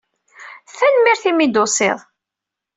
Tanemmirt imi ay d-tusiḍ.